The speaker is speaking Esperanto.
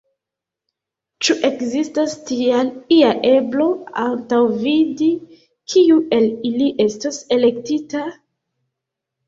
Ĉu ekzistas tial ia eblo antaŭvidi, kiu el ili estos elektita?